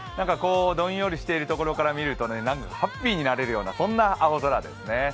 どんよりしているところから見るとなんかハッピーになれるようなそんな青空ですね。